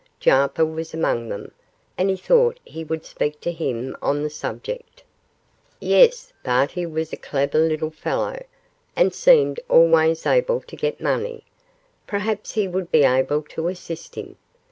Jarper was among them, and he thought he would speak to him on the subject. Yes, Barty was a clever little fellow, and seemed always able to get money. Perhaps he would be able to assist him.